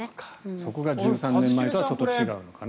そこが１３年前とは違うのかな。